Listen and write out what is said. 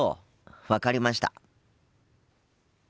分かりました。